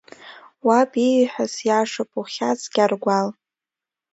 Уаб ииҳәаз иашоуп, ухьаҵ, Гьаргәал.